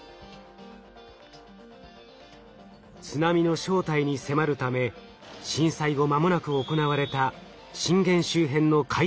津波の正体に迫るため震災後まもなく行われた震源周辺の海底調査。